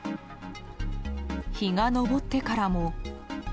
日が昇ってからも。